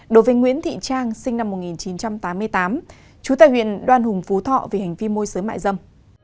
đối với nguyễn thị trang sinh năm một nghìn chín trăm tám mươi tám chú tài huyện đoàn hùng phú thọ về hành vi môi sới mại dâm